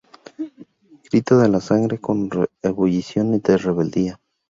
Grito de la sangre con ebullición de rebeldía.